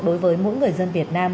đối với mỗi người dân việt nam